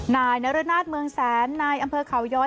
นายนรนาศเมืองแสนนายอำเภอเขาย้อย